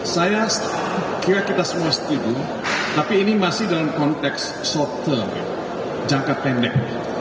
saya kira kita semua setuju tapi ini masih dalam konteks short term jangka pendek